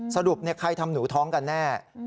สรุปใครทำหนูท้องกันแน่